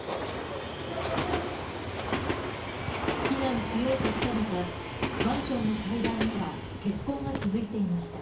本当に避難しようとしたのか、マンションの階段には血痕が続いていました